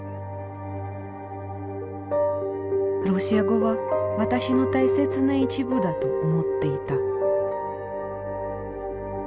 ロシア語は私の大切な一部だと思っていた。